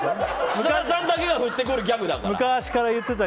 設楽さんだけが振ってくるギャグだから。